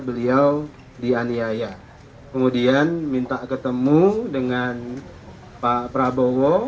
beliau di aniaya kemudian minta ketemu dengan pak prabowo